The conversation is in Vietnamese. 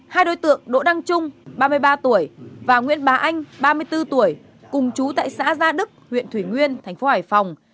hai đối tượng đỗ đăng trung ba mươi ba tuổi và nguyễn bá anh ba mươi bốn tuổi cùng chú tại xã gia đức huyện thủy nguyên thành phố hải phòng